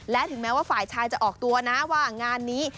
และถึงแม้ว่าฝ่ายชายจะออกตัวนะว่างานนี้